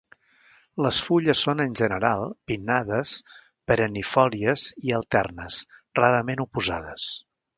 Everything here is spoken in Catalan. Les fulles són, en general, pinnades, perennifòlies i alternes, rarament oposades.